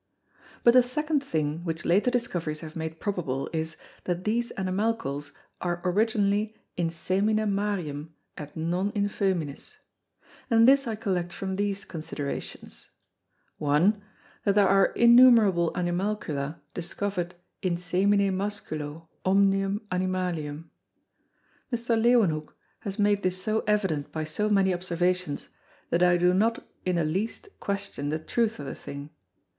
But the second thing which later Discoveries have made probable, is, that these Animalcles are originally in Semine Marium & non in Fœminis. And this I collect from these Considerations: 1. That there are innumerable Animalcula discover'd in Semine Masculo omnium Animalium. Mr. Leewenhoeck has made this so evident by so many Observations, that I do not in the least question the truth of the thing.